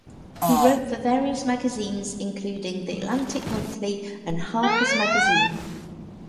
He wrote for various magazines, including "The Atlantic Monthly" and "Harper's Magazine".